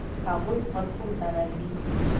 هغوی خپل کور ته راځي